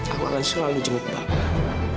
aku akan selalu jemput bapak